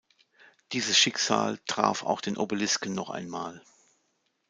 Dieses Schicksal traf auch den Obelisken noch einmal.